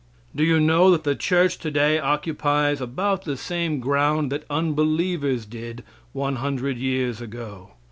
Do you know that the church today occupies about the same ground that unbelievers did one hundred years ago?